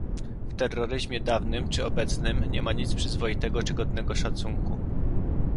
W terroryzmie dawnym czy obecnym, nie ma nic przyzwoitego czy godnego szacunku